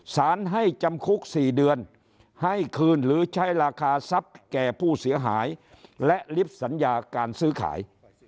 สารให้จำคุก๔เดือนให้คืนหรือใช้ราคาทรัพย์แก่ผู้เสียหายและลิฟต์สัญญาการซื้อขาย